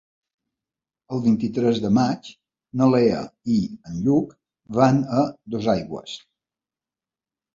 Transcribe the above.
El vint-i-tres de maig na Lea i en Lluc van a Dosaigües.